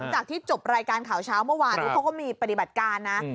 จากที่จบรายการข่าวเช้าเมื่อวานนี้เขาก็มีปฏิบัติการนะ